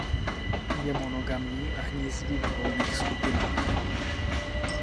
Je monogamní a hnízdí ve volných skupinách.